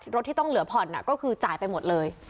รถที่ต้องเหลือผ่อนก็คือจ่ายไปหมดเลย